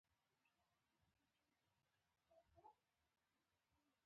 مهدي علي خان د ایران شاه وروباله.